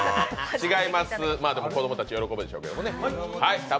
違います、でも子供たち喜ぶでしょうけどね。